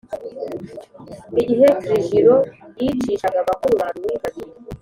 Igihe trujillo yicishaga bakuru ba luis babiri